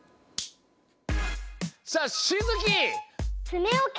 さあしづき！